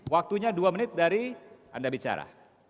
waktunya dua menit dari anda bicara